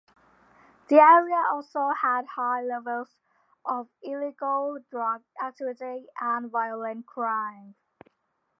The area also had high levels of illegal drug activity and violent crime.